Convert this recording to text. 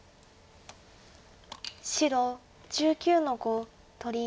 白１９の五取り。